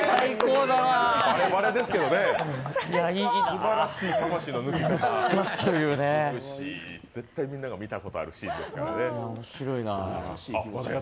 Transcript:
バレバレですけどね、すばらしい魂の抜け方、絶対にみんなが見たことあるシーンですからね。